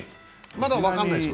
まだ分からないです。